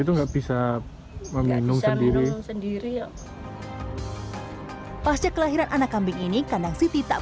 itu nggak bisa menggandung sendiri pasca kelahiran anak kambing ini kandang siti tak